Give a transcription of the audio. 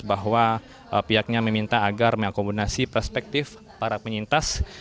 bahwa pihaknya meminta agar mengakomodasi perspektif para penyintas